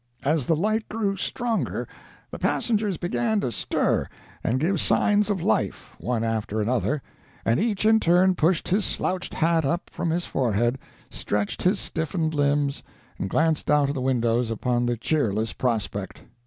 As the light grew stronger the passengers began to stir and give signs of life, one after another, and each in turn pushed his slouched hat up from his forehead, stretched his stiffened limbs, and glanced out of the windows upon the cheerless prospect.